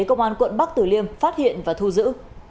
công an quận bắc tử liêm phát hiện và thu giữ